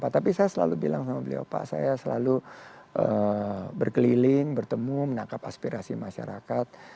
tapi saya selalu bilang sama beliau pak saya selalu berkeliling bertemu menangkap aspirasi masyarakat